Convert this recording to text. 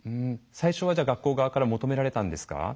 最初は学校側から求められたんですか？